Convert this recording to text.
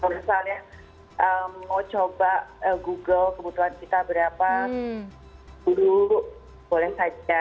kalau misalnya mau coba google kebutuhan kita berapa guru boleh saja